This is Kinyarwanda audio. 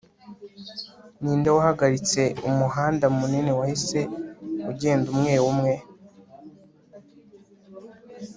ninde wahagaritse umuhanda munini wahise ugenda umwe umwe